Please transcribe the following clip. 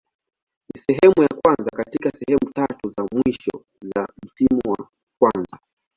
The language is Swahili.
Ni sehemu ya kwanza katika sehemu tatu za mwisho za msimu wa kwanza.